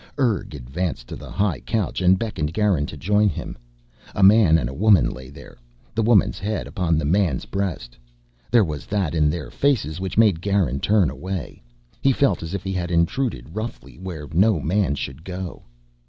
Urg advanced to the high couch and beckoned Garin to join him. A man and a woman lay there, the woman's head upon the man's breast. There was that in their faces which made Garin turn away. He felt as if he had intruded roughly where no man should go.